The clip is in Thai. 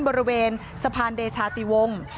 บริเวณสะพานเดชาติวงศ์